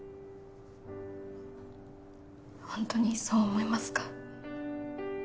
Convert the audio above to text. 本当にそう思いますか？